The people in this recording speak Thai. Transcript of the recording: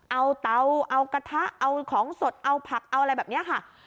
เอาเตาเอากระทะเอาของสดเอาผักเอาอะไรแบบนี้ค่ะ